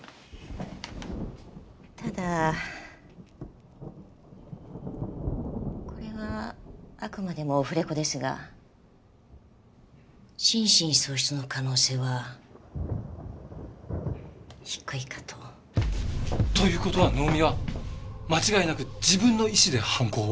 ただこれはあくまでもオフレコですが心神喪失の可能性は低いかと。という事は能見は間違いなく自分の意志で犯行を？